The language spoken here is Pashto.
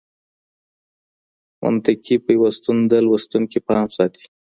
منطقي پیوستون د لوستونکي پام ساتي.